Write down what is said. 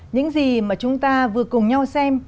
những gì mà chúng ta vừa cùng nhau xem